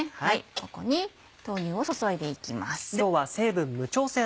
ここに豆乳を注いでいきます。